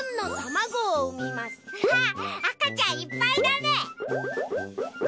わああかちゃんいっぱいだね。